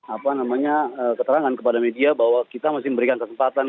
apa namanya keterangan kepada media bahwa kita mesti memberikan kesempatan